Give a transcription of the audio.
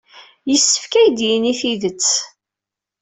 Yessefk ad d-yini tidet.